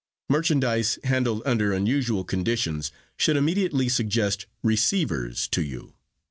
Merchandise handled under unusual conditions should immediately suggest 'receivers' to you.